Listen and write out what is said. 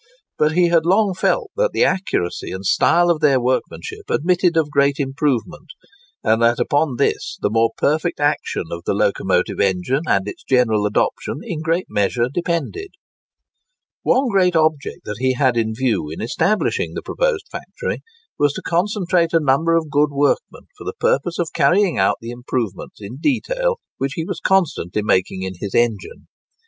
But he had long felt that the accuracy and style of their workmanship admitted of great improvement, and that upon this the more perfect action of the locomotive engine, and its general adoption, in a great measure depended. One great object that he had in view in establishing the proposed factory was, to concentrate a number of good workmen, for the purpose of carrying out the improvements in detail which he was constantly making in his engine.